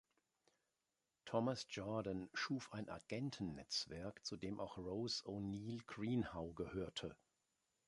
Thomas Jordan schuf ein Agenten-Netzwerk, zu dem auch Rose O'Neal Greenhow gehörte.